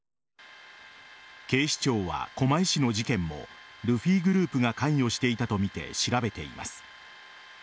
警視庁は狛江市の事件もルフィグループが関与していたとみて調べています。